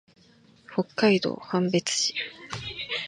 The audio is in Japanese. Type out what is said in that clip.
北海道紋別市